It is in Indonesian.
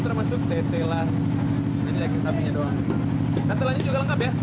tetelannya juga lengkap ya